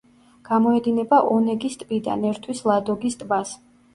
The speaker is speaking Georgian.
გამოედინება ონეგის ტბიდან, ერთვის ლადოგის ტბას.